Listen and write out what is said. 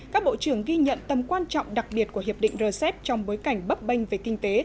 các bộ trưởng ghi nhận tầm quan trọng đặc biệt của hiệp định rcep trong bối cảnh bấp bênh về kinh tế